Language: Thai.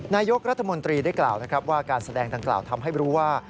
นายกรัฐมนตรีได้กล่าวนะครับว่าการแสดงดังกล่าวทำให้รู้ว่า